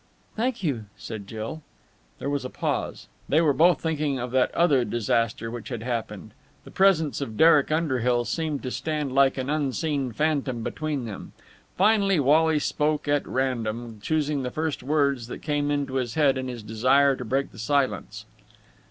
"Thank you," said Jill. There was a pause. They were both thinking of that other disaster which had happened. The presence of Derek Underhill seemed to stand like an unseen phantom between them. Finally Wally spoke at random, choosing the first words that came into his head in his desire to break the silence.